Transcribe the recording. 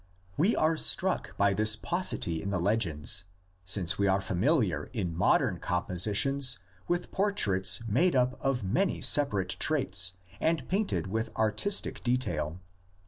We are struck by this paucity in the legends, since we are familiar in modern compositions with por traits made up of many separate traits and painted with artistic detail.